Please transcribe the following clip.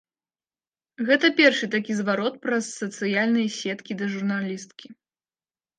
Гэта першы такі зварот праз сацыяльныя сеткі да журналісткі.